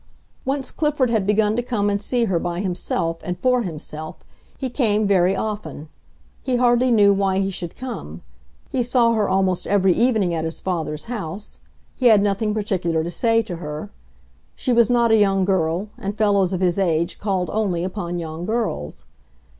Once Clifford had begun to come and see her by himself and for himself, he came very often. He hardly knew why he should come; he saw her almost every evening at his father's house; he had nothing particular to say to her. She was not a young girl, and fellows of his age called only upon young girls.